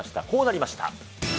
こうなりました。